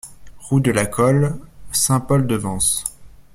Route de la Colle, Saint-Paul-de-Vence